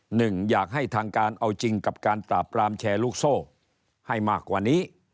หนึ่งอยากให้ทางการเอาจริงกับการปราบปรามแชร์ลูกโซ่ให้มากกว่านี้